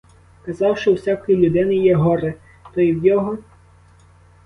Казав, що у всякої людини є горе, — то і в його?